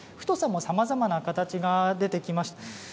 太さも、さまざまな形が出てきました。